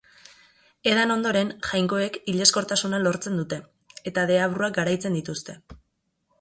Edan ondoren, jainkoek hilezkortasuna lortzen dute, eta deabruak garaitzen dituzte.